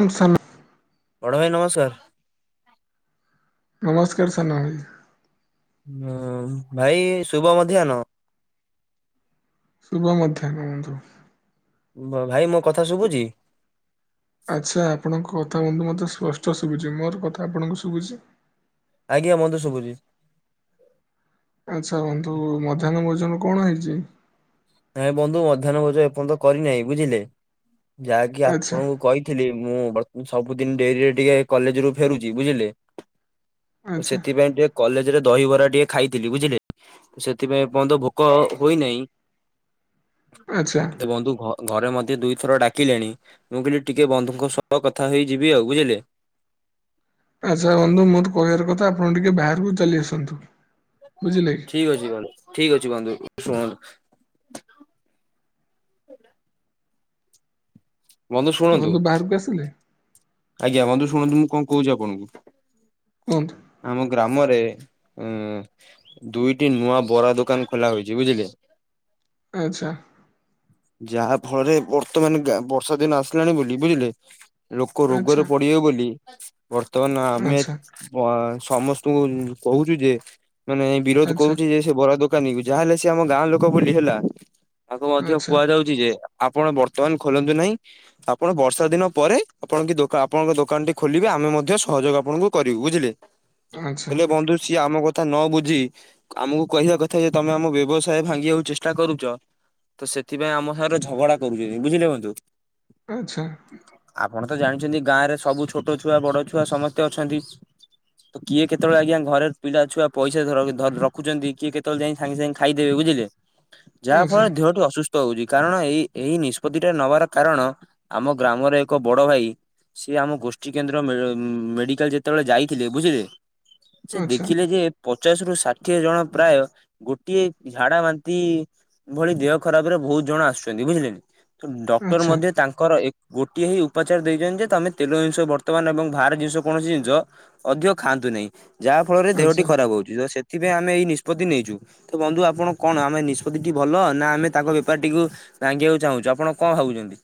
ଆମ ସାନ ବଡ଼ ଭାଇ ନମସ୍କାର୍। ନମସ୍କାର୍ ସାନ ଭାଇ। ହଁ ଭାଇ ଶୁଭ ମଧ୍ୟାନ। ଶୁଭ ମଧ୍ୟାହ୍ନ ବ ବ ଭାଇ ମୋ କଥା ଶୁଭୁଚି? ଆଚ୍ଛା ଆପଣଙ୍କ କଥା ବନ୍ଧୁ ମୋତେ ସ୍ପଷ୍ଟ ଶୁଭୁଚି ମୋର କଥା ଆପଣଙ୍କୁ ଶୁବୁଚି? ଆଜ୍ଞା ମନ୍ତେ ସୁବୁଜି। ଆଚ୍ଛା ବୁନ୍ଧୁ ମଧ୍ୟାହ୍ନ ଭୋଜନ କଣ ହେଇଚି? ନାଇଁ ବନ୍ଧୁ ମଧ୍ୟାହନ ଭୋ ଏପର୍ଯ୍ୟନ୍ତ କରିନାହି ବୁଝିଲେ ଯାହାକି ଆଚ୍ଛା ଆପଣଙ୍କୁ କଇ ଥିଲି ମୁଁ ବ ସବୁଦିନ ଡେରିରେ ଟିକେ କଲେଜ୍ ରୁ ଫେରୁଚି ବୁଝିଲେ ତ ଆଚ୍ଛା ସେଥି ପାଇଁ ଟେ କଲେଜ୍ ରେ ଦହିିବରା ଟିକେ ଖାଇଥିଲି ବୁଝିଲେ ସେଥିପାଇଁ ଏପନ୍ତ ଭୋକ ହୋଇନାହିଁ। ଆଚ୍ଛା? ମତେ ବନ୍ଧୁ ଘ ଘରେ ମତେ ଦୁଇଥର ଡାକିଲେଣି ମୁଁ କଇଲି ଟିକେ ବନ୍ଧୁଙ୍କ ସହ କଥା ହେଇ ଯିବି ଆଉ ବୁଝିଲେ? ଆଚ୍ଛା ବନ୍ଧୁ ମୋର କହିବାର କଥା ଆପଣ ଟିକେ ବାହାରକୁ ଚାଲି ଆସନ୍ତୁ ବୁଝିଲେ? ଠିକ୍ ଅଛି ବ ଠିକ୍ ଅଛି ବନ୍ଧୁ ଶୁଣନ୍ତୁ। ବନ୍ଧୁ ଶୁଣନ୍ତୁ। ଗନ୍ଧୁ ବାରକୁ ଆସିଲେ? ଆଜ୍ଞା ବନ୍ଧୁ ଶୁଣନ୍ତୁ ମୁଁ କଣ କହୁଚି ଆପଣଙ୍କୁ। କନ୍ତୁ। ଆମ ଗ୍ରାମରେ ଏଁ ଦୁଇଟି ନୂଆ ବରା ଦୋକାନ୍ ଖୋଲା ହଇଚି ବୁଝିଲେ? ଆଚ୍ଛା? ଯାହା ଫଳରେ ବର୍ତ୍ତମାନ୍ ଗା ବର୍ଷା ଦିନ ଆସିଲାଣି ବୋଲି ବୁଝିଲେ? କ ରୋଗରେ ଆଚ୍ଛା ପଡିବେ ବୋଲି ବର୍ତ୍ତମାନ ଆମେ ଆଚ୍ଛା ଅ ସମସ୍ତଙ୍କୁ କହୁଚୁ ଯେ ମାନେ ବିରୋଧ ଆଚ୍ଛା କରୁଚି ଯେ। ସେ ବରା ଦୋକାନୀକୁ ଯାହାହେଲେ ସି ଆମ ଗାଁ ଲୋକ ବୋଲି ହେଲା ତାଙ୍କୁ ମଧ୍ୟ ଆଚ୍ଛା କୁହାଯାଉଚି ଯେ ଆପଣ ବର୍ତ୍ତମାନ୍ ଖୋଲନ୍ତୁ ନାହିଁ ଆପଣ ବର୍ଷା ଦିନ ପରେ ଆପଣକି ଦୋ ଆପଣଙ୍କ ଦୋକାନ୍ ଟି ଖୋଲିବେ ଆମେ ମଧ୍ୟ ସହଯୋଗ ଆପଣଙ୍କୁ କରିବୁ ବୁଝିଲେ? ଆଚ୍ଛା ହେଲେ ବନ୍ଧୁ ସିଏ ଆମ କ କଥା ନ ବୁଝି ଆମକୁ କହିବା କଥା ଯେ ତମେ ଆମ ବ୍ୟବସାୟ ଭାଙ୍ଗିବାକୁ ଚେଷ୍ଟା କରୁଚ। ତ ସେଥିପାଇଁ ଆମ ସାଗରେ ଝଗଡା କରୁନି ବୁଝିଲେ କିନ୍ତୁ। ଆଚ୍ଛା। ଆପଣ ତ ଜାଣିଛନ୍ତି ଗାଁ ରେ ସବୁ ଛୋଟ ଛୁଆ ବଡ଼ ଛୁଆ ସମସ୍ତେ ଅଛନ୍ତି। ତ କିଏ କେତେବେଳେ ଆଜ୍ଞା ଘରେ ପିଲା ଛୁଆ ପଇସା ଧ ଧରି ରଖୁଛନ୍ତି କିଏ କେତେବେଳେ ଯାଇଁ। ସାଙ୍ଗେ-ସାଙ୍ଗେ ଖାଇଦେବେ ବୁଝିଲେ? [unintelligible] ଯାହା ଫଳ ରେ ଦିହଠୁ ଅସୁସ୍ଥ ହଉଚି କାରଣ ଏଇ ଏହି ନିଷ୍ପତିଟା ନବାର କାରଣ ଆମ ଗ୍ରାମରେ। ଏକ ବଡ ଭାଇ ସିଏ ଆମ ଗୋଷ୍ଠୀ କେନ୍ଦ୍ର ମେ ମେଡିକାଲ୍ ଯେତେବେଳେ ଯାଇଥିଲେ ବୁଝିଲେ? ସେ ଆଚ୍ଛା ଦେଖିଲେ ଯେ। ପଚାଶ ରୁ ଷାଠିଏ ଜଣ ପ୍ରାୟ ଗୋଟିଏ ଝାଡା ବାନ୍ତି। ଏଭଳି ଦେହ ଖରାପ ରେ ବହୁତ ଜଣ ଆସୁଛନ୍ତି ବୁଝିଲେ କି ତ ଡକ୍ଟର ଆଚ୍ଛା ମଧ୍ୟ ତାଙ୍କର ଏ ଗୁ କେହି ଉପଚାର ଦେଇଛନ୍ତି ଯେ ତମେ ତେଲ ଜିନିଷ ବର୍ତ୍ତମାନ ଏବଂ ବାହାର ଜିନିଷ କୌଣସି ଜିନିଷ ଅଧିକ ଖାଆନ୍ତୁ ନାହିଁ, ଯାହା ଫଳରେ ଦେହଟି ଆଚ୍ଛା ଖରାପ ହଉଛି, ତ ସେଥିପାଇଁ ଆମେ ଏଇ ନିଷ୍ପତ୍ତି ନେଇଛୁ। ତ ବନ୍ଧୁ ଆପଣ କଣ ଆମେ ନିଷ୍ପତ୍ତି ଟି ଭଲ ନା ଆମେ ତାଙ୍କ ବେପାରଟିକୁ ଭାଙ୍ଗିବାକୁ ଚାହୁଁଛୁ ଆପଣ କଣ ଭାବୁଛନ୍ତି?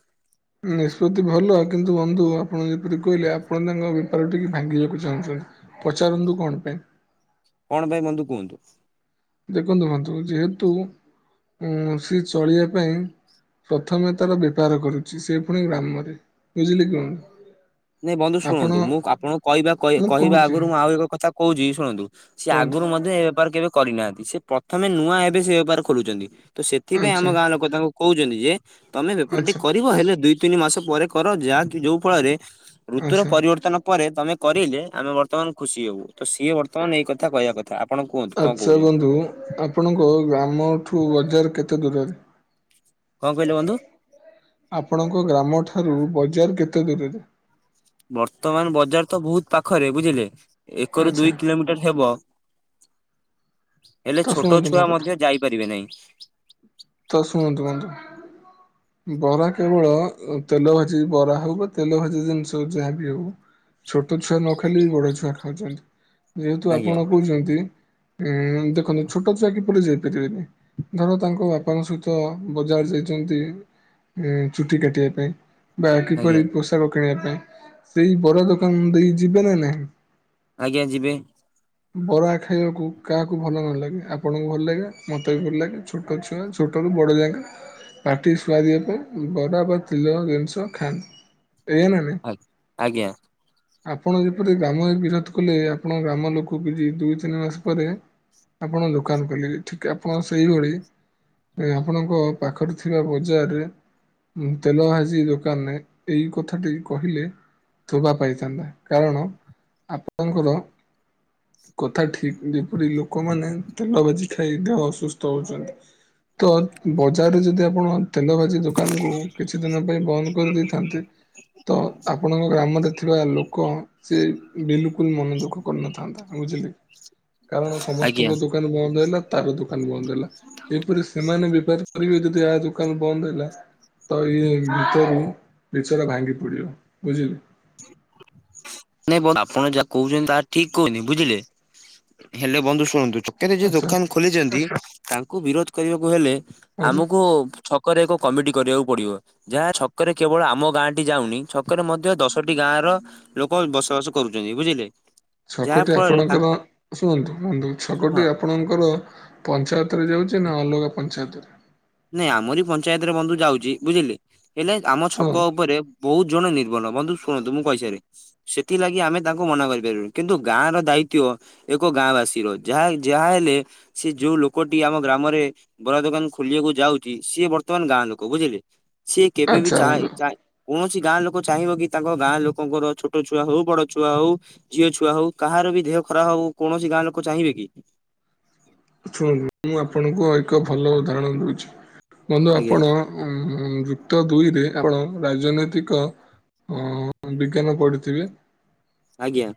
ନିଷ୍ପତ୍ତି ଭଲ କିନ୍ତୁ ବନ୍ଧୁ ଆପଣ ଯେପରି କହିଲେ ଆପଣ ତାଙ୍କ ବେପାର ଟିକି ଭାଙ୍ଗିବାକୁ ଚାହୁଁଛନ୍ତି। ପଚାରନ୍ତୁ କଣ ପାଇଁ? କଣ ପାଇଁ ବନ୍ଧୁ କୁହନ୍ତୁ? ଦେଖନ୍ତୁ ବନ୍ତୁ ଯେହେତୁ ଉଁ ସେ ଚଳିବା ପାଇଁ ପ୍ରଥମେ ତାର ବେପାର କରୁଛି ସେ ପୁଣି ଗ୍ରାମରେ ବୁଝିଲେ କି ବନ୍ଧୁ। ନାଇଁ ବନ୍ଧୁ ଆପଣ ଶୁଣନ୍ତୁ, ମୁଁ ଆପଣଙ୍କୁ କହିବା ମୁଁ କହିବା କହୁଛି ଆଗରୁ ମୁଁ ଆଉ ଏକ କଥା କହୁଛି ଶୁଣନ୍ତୁ। ସିଏ କୁହନ୍ତୁ ଆଗରୁ ମଧ୍ୟ ଏ ବେପାର କେବେ କରିନାହାନ୍ତି, ସେ ପ୍ରଥମେ ନୂଆ ଏବେ ସେ ବେପାର ଖୋଲୁଛନ୍ତି ତ ସେ ଏଥିପାଇଁ ଆମ ଆଚ୍ଛା ଗାଁ ଲୋକ ତାଙ୍କୁ କହୁଛନ୍ତି ଯେ ତମେ ବେପାର ଟି ଆଚ୍ଛା କରିବ ହେଲେ ଦୁଇ ତିନି ମାସ ପରେ କର ଯାହାକି ଯୋଉ ଫଳରେ ଋତୁର ଆଚ୍ଛା। ପରିବର୍ତ୍ତନ ପରେ ତମେ କରିଲେ ଆମେ ବର୍ତ୍ତମାନ ଖୁସି ହବୁ ତ ସିଏ ବର୍ତ୍ତ ବର୍ତ୍ତମାନ ନେଇ ଏଇ କଥା କହିବା କଥା ଆପଣ କୁହନ୍ତୁ କଣ ଆଚ୍ଛା କହୁଛନ୍ତି? ବନ୍ଧୁ ଆପଣଙ୍କ ଗ୍ରାମଠୁ ବଜାର କେତେ ଦୂରରେ? କଣ କହିଲେ ବନ୍ଧୁ? ଆପଣଙ୍କ ଗ୍ରାମଠାରୁ ବଜାର କେତେ ଦୂରରେ? ବର୍ତ୍ତମାନ ବଜାର ତ ବହୁତ ପାଖରେ ବୁଝିଲେ ଏକରୁ ଆଚ୍ଛା ଦୁଇ କିଲୋମିଟର ହେବ। ହେଲେ ତ ଛୋଟ ଶୁଣନ୍ତୁ ମୋ ଛୁଆ କଥା ମଧ୍ୟ ଯାଇପାରିବେ ନାହିଁ। ତ ଶୁଣନ୍ତୁ ବନ୍ଧୁ। ବରା କେବଳ ତେଲ ଭାଜି ବରା ହଉ ବା ତେଲ ଭାଜି ଜିନିଷ ଯାହାବି ହଉ ଛୋଟ ଛୁଆ ନ ଖାଇଲେ ବି ବଡ ଛୁଆ ଖାଉଛନ୍ତି, ଯେହେତୁ ଆପଣ ଆଜ୍ଞା କହୁଛନ୍ତି ଏଁ ଦେଖନ୍ତୁ ଛୋଟ ଛୁଆ କିପରି ଯାଇପାରିବେନି ଧର ତାଙ୍କ ବା ବାପାଙ୍କ ସହିତ ବଜାର ଯାଇଛନ୍ତି ଚୁଟି କାଟିବା ପାଇଁ। ବା ଆଜ୍ଞା। କିପରି ପୋଷାକ କିଣିବା ପାଇଁ ସେଇ ବଡ ଦୋକାନ ଦେଇ ଯିବେ ନା ନାହିଁ? ଆଜ୍ଞା ଯିବେ। [unintelligible] ବରା ଖାଇବାକୁ କାହାକୁ ଭଲ ନ ଲାଗେ ଆପଣଙ୍କୁ ଭଲ ଲାଗେ ମତେ ବି ଭଲ ଲାଗେ ଛୋଟ ଛୁଆ ଛୋଟରୁ ବଡ଼ ଯାକେ ପାଟି ସୁଆଦିଆ ପାଇଁ ବରା ବା ତେଲ ଜିନିଷ ଖାଆନ୍ତି। ଏଇଆ ନାଁ ନାହିଁ। ଆଜ୍ଞା। ଆପଣ ଯେପରି ଗ୍ରାମରେ ବିରୋଧ କଲେ, ଆପଣଙ୍କ ଗ୍ରାମ ଲୋକ କିଛି ଦୁଇ ତିନି ମାସ ପରେ ଆପଣ ଦୋକାନ ଖୋଲିବେ, ଠିକ୍ ଆପଣ ସେଇଭଳି ଆଁ ଆପଣଙ୍କ ପାଖରେ ଥିବା ବଜାର୍ ରେ ତେଲ ଭାଜି ଦୋକାନ୍ ନେ ଏଇ କଥାଟି କହିଲେ ଥୋବା ପାଇଥାନ୍ତା, କାରଣ ଆପଣଙ୍କର କଥା ଠିକ୍ ଯେପରି ଲୋକମାନେ ତେଲ ଭାଜି ଖାଇ ଦେହ ଅସୁସ୍ଥ ହଉଛନ୍ତି। ତ ବଜାର୍ ରୁ ଯଦି ଆପଣ ତେଲ ଭାଜି ଦୋକାନ୍ କୁ କିଛି ଦିନ ପାଇଁ ବନ୍ଦ୍ କରି ଦେଇଥାନ୍ତେ ତ ଅ ଆପଣଙ୍କ ଗ୍ରାମରେ ଥିବା ଲୋକ ସେ ବିଲୁକୁଲ୍ ମନ ଦୁଃଖ କରିନଥାନ୍ତା ବୁଝିଲେ। କାରଣ ଆଜ୍ଞା ସମସ୍ତଙ୍କ ଦୋକାନ୍ ବନ୍ଦ୍ ହେଲା ତାର ଦୋକାନ୍ ବନ୍ଦ୍ ହେଲା। ଏପରି ସେମାନେ ବିପାରି କରିବେ ଯଦି ଆ ଦୋକାନ୍ ବନ୍ଦ୍ ହେଲା। ତ ଇଏ ଭିତରୁ ବିଚରା ଭାଙ୍ଗି ପଡ଼ିବ ବୁଝିଲୁ। ନାଇଁ ବ ଆପଣ ଯା କହୁଛନ୍ତି ତାହା ଠିକ୍ କହୁଛନ୍ତି ବୁଝିଲେ। ହେଲେ ବନ୍ଧୁ ଶୁଣନ୍ତୁ, ଚୁ କରେ ଯେ ଆଚ୍ଛା ଦୋକାନ୍ ଖୋଲିଛନ୍ତି ତାଙ୍କୁ ବିରୋଧ୍ କରିବାକୁ ହେଲେ ଆଚ୍ଛା ଆମକୁ ଛ ଛକରେ ଏକ କମିଟି କରିବାକୁ ପଡିବ, ଯାହା ଛକରେ କେବଳ ଆମ ଗାଁ ଟି ଯାଉନି ଛକରେ ମଧ୍ୟ ଦଶ୍ ଟି ଗାଁ ର ଲୋକ ବସବାସ କରୁଛନ୍ତି ବୁଝିଲେ। ଯାହା ଛକୋଟି ଫଳରେ ତାଙ୍କ ଆପଣଙ୍କର ଶୁଣନ୍ତୁ ମୁନ୍ତୁ ଛକୋଟି ହଁ ଆପ୍ ପଣଙ୍କର ପଞ୍ଚାୟତରେ ଯାଉଛି ନା ଅଲଗା ପଞ୍ଚାୟତରେ? ନାଇଁ ଆମରି ପଞ୍ଚାୟତରେ ବନ୍ଧୁ ଯାଉଛି ବୁଝିଲେ ହେଲେ ଆମ ଛକ ଶୁଣନ୍ତୁ ଉପରେ ବହୁତ୍ ଜଣ ନିର୍ଭର ବନ୍ଧୁ ଶୁଣନ୍ତୁ ମୁଁ କହିସାରେ। ସେଥିଲାଗି ଆମେ ତାଙ୍କୁ ମନା କରିପାରୁ, କିନ୍ତୁ ଗାଁ ର ଦାୟିତ୍ୱ ଏକ ଗାଁ ବାସୀ ର ଯାହା ଯାହା ହେଲେ ସେ ଯୋଉ ଲୋକଟି ଆମ ଗ୍ରାମରେ ବରା ଦୋକାନ୍ ଖୋଲିବାକୁ ଯାଉଛି ସିଏ ବର୍ତ୍ତମାନ ଗାଁ ଲୋକ ବୁଝିଲେ ସିଏ କେବେ ବିି ଆଚ୍ଛା ଚାଏ ବନ୍ଧୁ ଚାଏ କୌଣସି ଗାଁ ଲୋକ ଚାହିଁବ କି ତାଙ୍କ ଗାଁ ଲୋକଙ୍କର ଛୋଟ ଛୁଆ ହଉ ବଡ ଛୁଆ ହଉ। ଝିଅ ଛୁଆ ହଉ କାହାର ବି ଦେହ ଖରାପ ହଉ କୌଣସି ଗାଁ ଲୋକ ଚାହିଁବେ କି? ଶୁଣନ୍ତୁ ମୁଁ ଆପଣଙ୍କୁ ଏକ ଭଲ ଉଦାହରଣ ଦଉଛି ବନ୍ଧୁ ଆଜ୍ଞା ଆପଣ ଉ ଯୁକ୍ତ ଦୁଇରେ ଆପଣ ରାଜନୈତିକ। ଅ ବିଜ୍ଞାନ ପଢିଥିବେ? ଆଜ୍ଞା।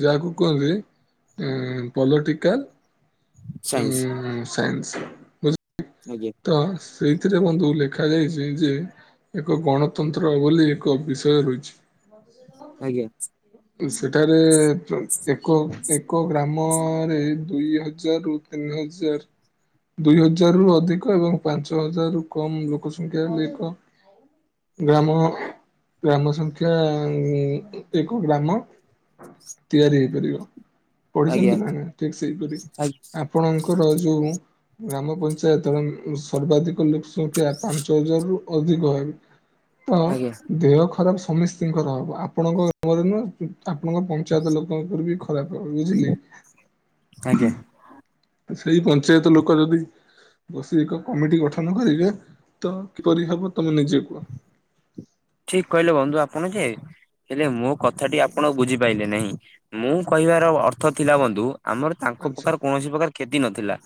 ଯାହାକୁ କୁହନ୍ତି ପଲଟିକାଲ ସାଇନ୍ସ ଉଉଉ ସାଇନ୍ସ୍ ବଝ ଆଜ୍ଞା। ତ ସେଇଥିରେ ବନ୍ଧୁ ଲେଖାଯାଇଛି ଯେ ଏକ ଗଣତନ୍ତ୍ର ବୋଲି ଏକ ବିଷୟ ରହିଛି। ଆଜ୍ଞା ସେଠାରେ ଏ ଏକ ଏକ ଗ୍ରାମ ଅ ରେ ଦୁଇ ହଜ୍ ଜାର୍ ରୁ ତିନି ହଜାର୍। ଦୁଇ ହଜାରରୁୁ ଅଧିକ ଏବଂ ପାଞ୍ଚ ହଜାରରୁୁ କମ୍ ଲୋକ ସଂଖ୍ୟା ହେଲେ ଏକ ଗ୍ରାମ ଗ୍ରାମ ସଂଖ୍ୟା ଉ ଉ ଏକ ଗ୍ରାମ। ତିଆରି ହେଇପାରିବ। ଆଜ୍ଞା ପଢିଛନ୍ତି ନା ନା ଠିକ୍ ସେଇପରି। ଆଜ୍ଞା ଆପଣଙ୍କର ଯୋଉ ଗ୍ରାମ ପଞ୍ଚାୟତର ସର୍ବାଧିକ ଲୋକ୍ ସଂଖ୍ୟା ପାଞ୍ଚ ହଜାର ରୁ ଅଧିକ ହେବ୍ ତ ଆଜ୍ଞା ଦେହ ଖରାପ ସମସ୍ତତିଙ୍କର ହବ ଆପଣଙ୍କ ଗାମରେ ନୁଁ ଆପଣଙ୍କ ପଞ୍ଚାୟତ ଲୋକଙ୍କର ବି ଖରାପ ହବ ବୁଝିଲେ? ଆଜ୍ଞା ସେଇ ପହଞ୍ଚାୱ ତ ଲୋକ ଯଦି ବସି ଏକ କମିଟି ଗଠନ କରିବେ ତ କିପରି ହବ ତମେ ନିଜେକୁଅ। ଠିକ୍ କହିଲେ ବନ୍ଧୁ ଆପଣ ଯେ ହେଲେ ମୋ କଥାଟି ଆପଣ ବୁଝିପାରଲେେ ନାହିଁ। ମୁଁ କହିବାର ଅର୍ଥ ଥିଲା ବନ୍ଧୁ ଆମର ତାଙ୍କ ଆଚ୍ଛା ପ୍ରଖରେ କୌଣସି ପ୍ରକାର କ୍ଷତି ନଥିଲା।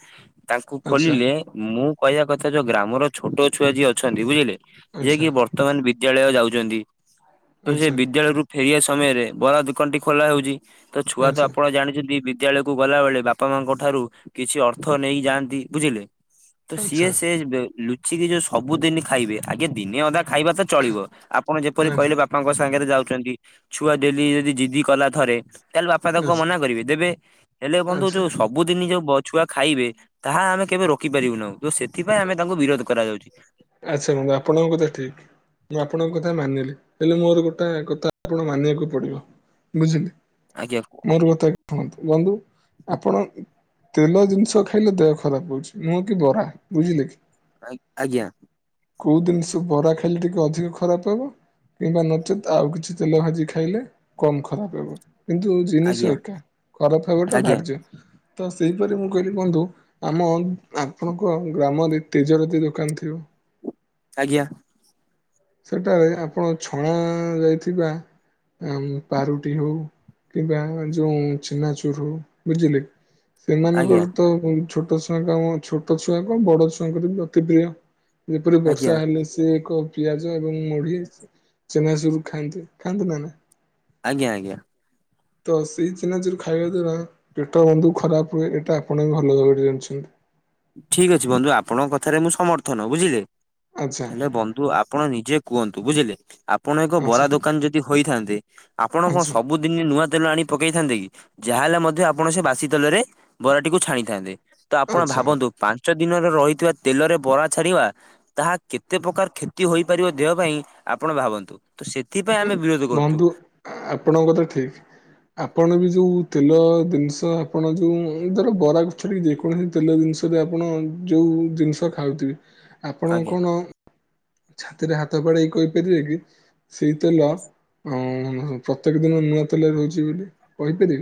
ତାଙ୍କୁ ଆଚ୍ଛା ଖୋଲିଲେ ମୁଁ କହିବା କଥା ଯୋଉ ଗ୍ରାମର ଛୋଟ ଛୁଆ ଯିଏ ଅଛନ୍ତି ବୁଝିଲେ ଯିଏ ଆଚ୍ଛା କି ବର୍ତ୍ତମାନ ବିଦ୍ୟାଳୟ ଯାଉଛନ୍ତି, ତ ସେ ଆଚ୍ଛା ବିଦ୍ୟାଳୟରୁୁ ଫେରିବା ସମୟରେ ବରା ଦୋକାନଟି ଖୋଲା ହୋଉଛି। ତ ଛୁଆ ତ ଆଚ୍ଛା ଆପଣ ଜାଣିଛନ୍ତି ବି ବିଦ୍ୟାଳୟକୁ ଗଲା ବେଳେ ବାପା ମାଙ୍କ ଠାରୁ କିଛି ଅର୍ଥ ନେଇକ ଯାଆନ୍ତି ବୁଝିଲେ। ତ ସିଏ ଆଚ୍ଛା ସେ ଲୁଚିକି ଯୋଉ ସବୁଦିନ ଖାଇବେ ଆଗେ ଦିନେ ଅଦା ଖାଇବା ତ ଚଳିବ। ଆପଣ ଯେପରି ଆଚ୍ଛା କହିଲେ ବାପାଙ୍କ ସାଙ୍ଗରେ ଯାଉଛନ୍ତି ଛୁଆ ଡେଲି ଯଦି ଜିଦି କଲା ଥରେ। ତାହେଲେ ବାପା ତାଙ୍କ ଆଚ୍ଛା ମନା କରିବେ ଦେବେ ହେଲେ ବନ୍ଧୁ ଆଚ୍ଛା ଯୋଉ ସବ୍ ସବୁଦିନି ଯୋଉ ବ ଛୁଆ ଖାଇବେ ତାହା ଆମେ କେବେ ରୋକିପାରିବୁ ନି ଆଉ। ତ ସେଥିପାଇଁ ଆମେ ତାଙ୍କୁ ବିରୋଧ କରାଯାଉଛି। ଆଚ୍ଛା ବନ୍ଧୁ ଆପଣଙ୍କ କଥା ଠିକ୍। ମୁଁ ଆପଣଙ୍କ କଥା ମାନିଲି ହେଲେ ମୋର ଗୋଟେ କଥା ଆପଣ ମାନିବାକୁ ପଡିବ। ବୁଝିଲେ। ଆଜ୍ଞା। ମୋର କଥା ଶୁଣନ୍ତୁ ବନ୍ଧୁ ଆପଣ ତେଲ ଜିନିଷ ଖାଇଲେ ଦେହ ଖରାପ ହଉଛି ମୁଁ କି ବରା ବୁଝିଲେ। ଆଜ୍ଞା। କୋଉ ଦିନିଷ ବରା ଖାଇଲେ ଟିକେ ଅଧିକ ଖରାପ ହେବ? କିମ୍ବା ନଚେତ୍ ଆଉ କିଛି ତେଲ ଭାଜି ଖାଇଲେ କମ ଖରାପ ହେବ କିନ୍ତୁ ଆଜ୍ଞା ଜିନିଷ ଆଜ୍ଞା ଏକା ଖରାପ ହବଟା ଆଜ୍ଞା ଧାର୍ଯ୍ୟ ତ ସେଇପରି ମୁଁ କହିଲି ବନ୍ଧୁ ଆମ ଆପଣଙ୍କ ଗ୍ରାମରେ ତେଜରାତି ଦୋକାନ ଥିବ। ଆଜ୍ଞା। ସେଠାରେ ଆପଣ ଛଣା ଯାଇଥିବା ପାରୁଟି ହଉ କିମ୍ବା ଯୋଉ ଚେନାଚୁର ବୁଝିଲେ ଆଜ୍ଞା। ସେମାନଙ୍କର ତ ଛୋଟ ଛୁଆ କାମ ଛୋଟ ଛୁଆଙ୍କ ବଡ ଛୁଆଙ୍କର ଅତି ପ୍ରିୟ ଯେପରି ବର୍ଷା ହେଲେ ସେ ଏକ ପିଆଜ ଏବଂ ମୁଢି ଚେନାଚୁରୁ ଖାଆନ୍ତେ ଖାଆନ୍ତୁ ନା ନାହିଁ। ଆଞା ଆଜ୍ଞା। ତ ସେଇ ଚିନାଚୋରୁ ଖାଇବା ଦ୍ଵାରା ପେଟ ବନ୍ଧୁ ଖରାପ ହୁଏ ଏଇଟା ଆପଣ ବି ଭଲ ଭାବବେ ଜାଣିଛନ୍ତି। ଠିକ୍ ଅଛି ବନ୍ଧୁ ଆପଣଙ୍କ କଥାରେ ମୁଁ ସମର୍ଥନ ବୁଝିଲେ। ଆଚ୍ଛା। ହେଲେ ବନ୍ଧୁ ଆପଣ ନିଜେ କୁହନ୍ତୁ ବୁଝିଲେ। ଆପଣ ଏକ ବରା ଆଚ୍ଛା ଦୋକାନ ଯଦି ହୋଇଥାନ୍ତେ ଆପଣ କଣ ଆଚ୍ଛା ସବୁଦିନ ନୂଆ ତେଲ ଆଣି ପକେଇଥାନ୍ତେ କି? ଯାହାହଲେ ମଧ୍ୟ ଆପଣ ସେ ବାସି ତେଲରେ ବରାଟିକୁ ଛାଣିଥାନ୍ତେ, ତ ଆପଣ ଆଚ୍ଛା ଭାବ ପାଞ୍ଚ ଦିନରେ ରହିଥିବା ତେଲରେ ବରା ଛାଡିବା ତାହା କେତେ ପ୍ରକାର କ୍ଷତି ହୋଇପାରିବ ଦେହ ପାଇଁ ଆପଣ ଭାବନ୍ତୁ। ସେଥିପା ବନ୍ଧୁ ଆପଣଙ୍କ କଥା ଠିକ୍। ଆପଣ ବି ଯୋଉ ତେଲ ଜିନିଷ ଆପଣ ଯୋଉ ଧର ବରା ଗଛରିକି ଯେକୌଣସି ତେଲ ଜିନିଷରେ ଆପଣ ଯେଉଁ ଜିନିଷ ଖାଉଥିବେ ଆପଣ ଆଜ୍ଞା। କଣ ଛାତିରେ ହାତ ବାଡେଇ କହିପାରିବେ କି ସେଇ ତେଲ ପ୍ରତ୍ୟେକ ଦିନ ନୂଆ ତେଲରେ ରହୁଛି ବୋଲି କହିପାରିବେ?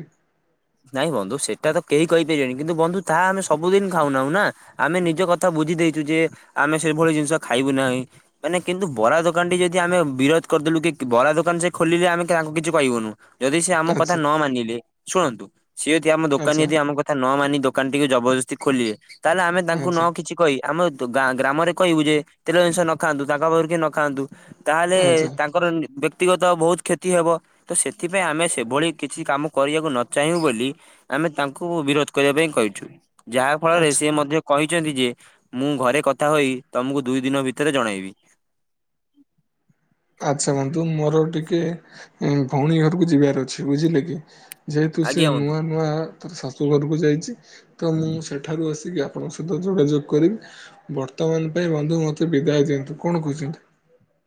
ନାଇଁ ବନ୍ଧୁ ସେଟା ତ କେହି କହିପାରିବେନି କିନ୍ତୁ ବନ୍ଧୁ ତାହା ଆମେ ସବୁଦିନ ଖାଉନାହୁଁ ନା। ଆମେ ନିଜ କଥା ବୁଝି ଦେଇଛୁ ଯେ ଆମେ ସେଭଳି ଜିନିଷ ଖାଇବୁ ନାହିଁ। ମାନେ କିନ୍ତୁ ବରା ଦୋକାନ ଟି ଯଦି ଆମେ ବିରୋଧ କରିଦେଲୁ କି ବରା ଦୋକାନ ସେ ଖୋଲିଲେ ଆମେ ତାଙ୍କୁ କିଛି କହିବୁନୁ। ଯଦି ସି ଆମ କଥା ଆଚ୍ଛା ନ ମାନିଲେ ଶୁଣନ୍ତୁ ସିଏ ଯଦି ଆମ ଦୋକାନ ଆଚ୍ଛା ଯଦି [inaudible] ମୋ କଥା ନ ମାନି ଦୋକାନ ଟିକୁ ଜବରଦସ୍ତି ଖୋଲିବେ ତାହେଲେ ଆମେ ତାଙ୍କୁ ନ ଆଚ୍ଛା କିଛି କହି ଆମେ ଗାଁ ଗ୍ରାମରେ କହିବୁ ଯେ ତେଲ ଜିନିଷ ନ ଖାଆନ୍ତୁ ତାଙ୍କ ପାଖରୁ କେହି ନ ଖାଆନ୍ତୁ। ତାହେଲେ ଆଚ୍ଛା ତାଙ୍କର ବ୍ୟକ୍ତିଗତ ବହୁତ କ୍ଷତି ହେବ ତ ସେଥିପାଇଁ ଆମେ ସେଭଳି କିଛି କାମ କରିବାକୁ ନ ଚାହିଁବୁ ବୋଲି ଆମେ ତାଙ୍କୁ ବିରୋଧ କରିବା ପାଇଁ କହିଛୁ ଯାହା ଫଳରେ ଆଚ୍ଛା ସି ମଧ୍ୟ କହିଛନ୍ତି ଯେ ମୁଁ ଘରେ କଥା ହୋଇ ତମକୁ ଦୁଇ ଦିନ ଭିତରେ ଜଣେଇବି। ଆଚ୍ଛା ବନ୍ଧୁ ମୋର ଟିକେ ଭଉଣୀ ଘରକୁ ଯିବାର ଅଛି ବୁଝିଲେ କି? ଯେହେତୁ ସିଏ ଆଜ୍ଞା ବନ୍ଧୁ। ନୂଆ ନୂଆ ତାର ଶାଶୁଘରକୁ ଯାଇଛି ତ ମୁଁ ସେଠାରୁ ଆସିକି ଆପଣଙ୍କ ସହିତ ଯୋଗାଯୋଗ କରିବି। ବର୍ତ୍ତମାନ ପାଇଁ ବନ୍ଧୁ ମୋତେ ବିଦାୟ ଦିଅନ୍ତୁ କଣ କହୁଛନ୍ତି?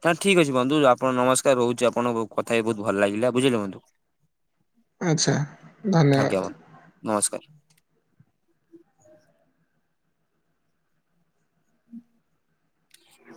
ତାହେଲେ ଠିକ ଅଛି ବନ୍ଧୁ ଆପଣ ନମସ୍କାର ରହୁଛି ଆପଣଙ୍କ କଥା ବହୁତ ଭଲ ଲାଗିଲା ବୁଝିଲେ ବନ୍ଧୁ। ଆଚ୍ଛା ଆଜ୍ଞା ଧନ୍ୟବାଦ। ବନ୍ଧୁ ନମସ୍କାର। ହ